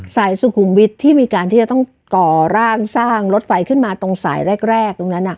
สุขุมวิทย์ที่มีการที่จะต้องก่อร่างสร้างรถไฟขึ้นมาตรงสายแรกตรงนั้น